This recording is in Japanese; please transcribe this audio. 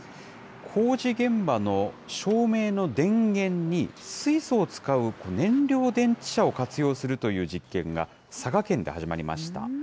工事現場の照明の電源に、水素を使う燃料電池車を活用するという実験が、佐賀県で始まりました。